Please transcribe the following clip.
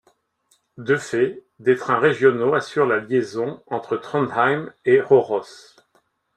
De fait, des trains régionaux assurent la liaison entre Trondheim et Røros.